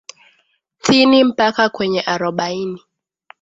thini mpaka kwenye arobaini